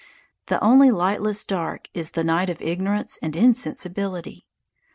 The only lightless dark is the night of ignorance and insensibility.